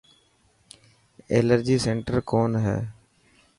ايلرجي سينٽر ڪون هي.